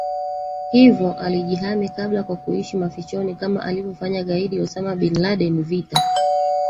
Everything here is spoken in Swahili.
hivyo alijihami kabla kwa kuishi mafichoni kama alivyofanya gaidi Osama bin Laden Vita